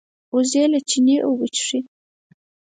وزې له چینې اوبه څښي